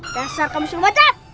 dasar kamu suruh baca